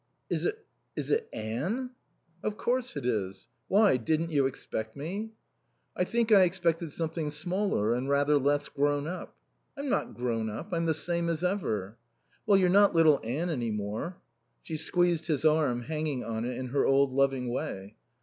"Is it is it Anne?" "Of course it is. Why, didn't you expect me?" "I think I expected something smaller and rather less grown up." "I'm not grown up. I'm the same as ever." "Well, you're not little Anne any more." She squeezed his arm, hanging on it in her old loving way.